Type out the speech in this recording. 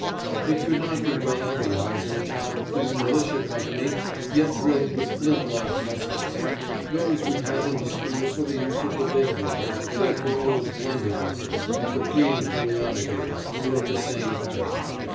It could not be well otherwise in a town whose militia company yet drilled with flint lock muskets. Those we had in the school for the use of the big boys dreadful old blunderbusses of the pre Napoleonic era were of the same pattern.